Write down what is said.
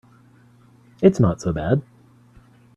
It's not so bad.